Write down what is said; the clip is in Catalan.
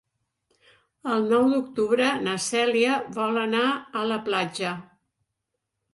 El nou d'octubre na Cèlia vol anar a la platja.